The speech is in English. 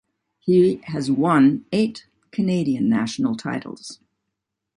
He has won eight Canadian National titles.